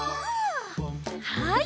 はい。